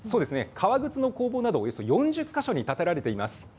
革靴の工房などおよそ４０か所に立てられています。